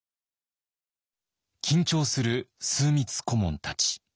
緊張する枢密顧問たち。